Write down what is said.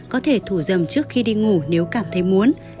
có thể thủ dầm trước khi đi ngủ nếu cảm thấy muốn